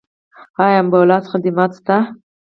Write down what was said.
آیا امبولانس خدمات شته؟